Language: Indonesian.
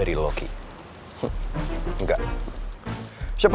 ini lumayan gadis juga